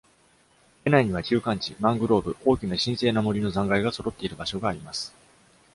ベナンには休閑地、マングローブ、大きな神聖な森の残骸が揃っている場所があります。